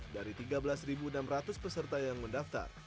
dari tiga belas enam ratus peserta yang mendaftar